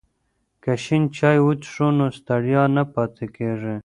که شین چای وڅښو نو ستړیا نه پاتې کیږي.